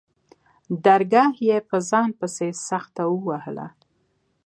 درگاه يې په ځان پسې سخته ووهله.